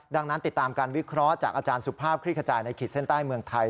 ดังนั้นติดตามการวิเคราะห์จากอาจารย์สุภาพคลิกขจายในขีดเส้นใต้เมืองไทย